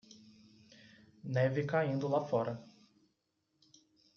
Neve caindo lá fora